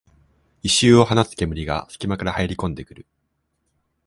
異臭を放つ煙がすき間から入りこんでくる